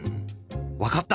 「わかった！」。